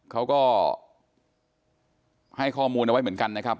เขาก็ให้ข้อมูลเอาไว้เหมือนกันนะครับ